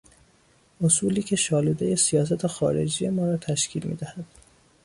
اصولی که شالودهی سیاست خارجی ما را تشکیل میدهد